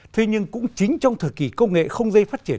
thế nhưng cũng chính trong thời kỳ công nghệ không dây phát triển